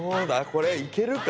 これいけるか？